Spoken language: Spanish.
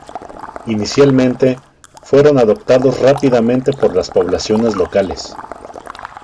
Inicialmente, fueron adoptados rápidamente por las poblaciones locales.